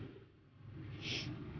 memang dikerumahkan jangan huhu